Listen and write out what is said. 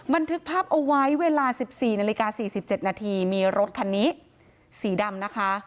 บันทึกภาพเอาไว้เวลา๑๔นาฬิกา๔๗นาทีมีรถคันนี้สีดำนะคะ